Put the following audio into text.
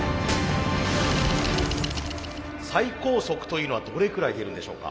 最高速というのはどれくらい出るんでしょうか？